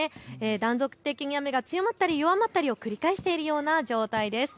断続的に雨が強まったり弱まったりを繰り返しているような状態です。